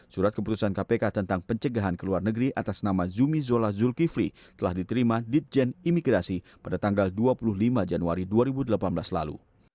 surat keputusan kpk tentang pencegahan ke luar negeri atas nama zumi zola zulkifli telah diterima ditjen imigrasi pada tanggal dua puluh lima januari dua ribu delapan belas lalu